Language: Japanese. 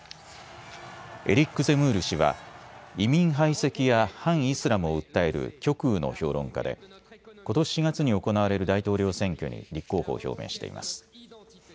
エリック・ゼムール氏は移民排斥や反イスラムを訴える極右の評論家でことし４月に行われる大統領選挙に立候補を表明しています。